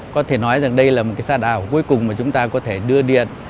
có thể nói rằng đây là một xã đảo cuối cùng mà chúng ta có thể đưa điện